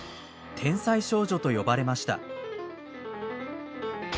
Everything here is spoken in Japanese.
「天才少女」と呼ばれました。